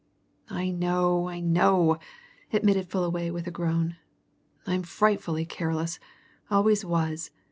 "I know I know!" admitted Fullaway with a groan. "I'm frightfully careless always was.